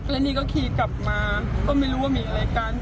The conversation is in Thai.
และนี่ก็ขี่กลับมาก็ไม่รู้ว่ามีอะไรกัน